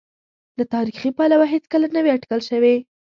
له تاریخي پلوه هېڅکله نه وې اټکل شوې.